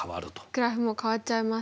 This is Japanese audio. グラフも変わっちゃいます。